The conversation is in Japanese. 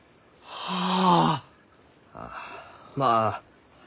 はあ。